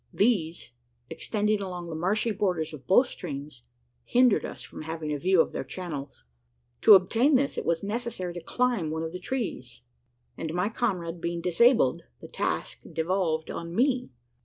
These extending along the marshy borders of both streams, hindered us from having a view of their channels. To obtain this, it was necessary to climb one of the trees; and my comrade being disabled, the task devolved upon me.